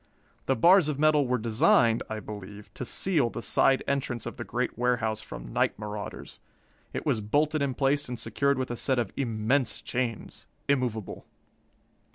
The bars of metal were designed, I believe, to seal the side entrance of the great warehouse from night marauders. It was bolted in place and secured with a set of immense chains, immovable.